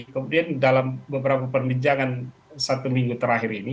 kemudian dalam beberapa perbincangan satu minggu terakhir ini